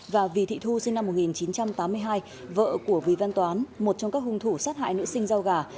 và vì thị thu sinh năm một nghìn chín trăm tám mươi hai vợ của vì văn toán một trong các hung thủ sát hại nữ sinh rau gà